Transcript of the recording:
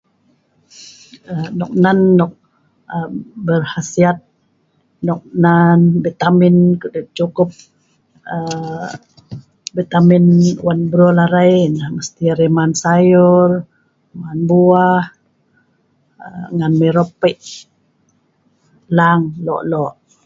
Noknen nok berkhasiat nok nan vitamin kokdut cukup vitamin wan brul arai,, mesti arai man sayur(ret), man buah(weii) ngan mirop pei laang lok-lok.